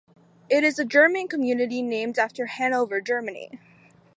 It is a German community named after Hanover, Germany.